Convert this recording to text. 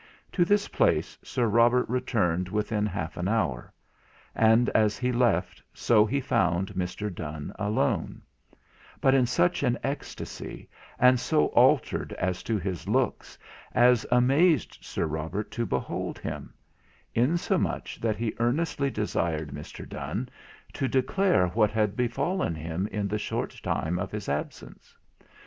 To this place Sir Robert returned within half an hour; and as he left, so he found, Mr. Donne alone; but in such an ecstasy, and so altered as to his looks, as amazed Sir Robert to behold him; insomuch that he earnestly desired Mr. Donne to declare what had befallen him in the short time of his absence.